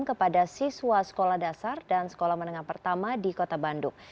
kepada siswa sekolah dasar dan sekolah menengah pertama di kota bandung